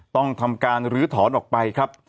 ต้องทำการลื้อถอนออกไปครับ